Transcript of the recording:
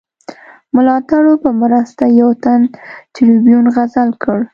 ملاتړو په مرسته یو تن ټربیون عزل کړ.